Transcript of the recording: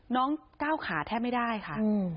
น้องก้าวขาแทบไม่ได้ค่ะ